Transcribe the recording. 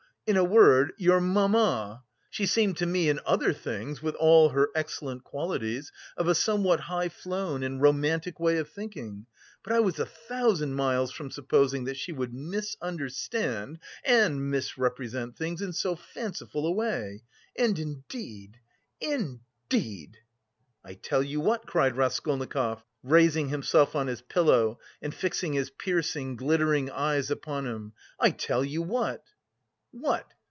in a word, your mamma... She seemed to me in other things, with all her excellent qualities, of a somewhat high flown and romantic way of thinking.... But I was a thousand miles from supposing that she would misunderstand and misrepresent things in so fanciful a way.... And indeed... indeed..." "I tell you what," cried Raskolnikov, raising himself on his pillow and fixing his piercing, glittering eyes upon him, "I tell you what." "What?"